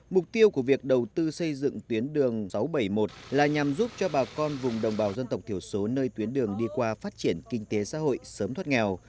mục tiêu của việc đầu tư xây dựng tuyến đường sáu trăm bảy mươi một là nhằm giúp cho bà con vùng đồng bào dân tộc thiểu số nơi tuyến đường đi qua phát triển kinh tế xã hội sớm thoát nghèo